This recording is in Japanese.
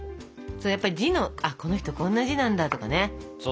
やっぱり字の「この人こんな字なんだ」とかね。